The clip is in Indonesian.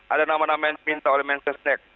ada nama nama yang diminta oleh master snack